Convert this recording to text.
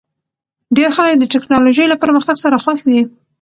ډېر خلک د ټکنالوژۍ له پرمختګ سره خوښ دي.